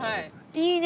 いいね。